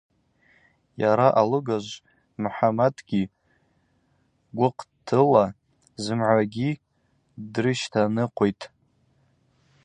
Йара алыгажв Мхӏаматгьи гвыхътӏыла зымгӏвагьи дрыщтаныкъвитӏ.